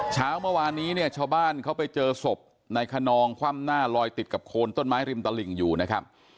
เช้าเมื่อวานนี้เนี่ยชาวบ้านเขาไปเจอศพนายขนองคว่ำหน้าลอยติดกับโคนต้นไม้ริมตลิ่งอยู่นะครับ